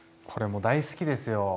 これも大好きですよ。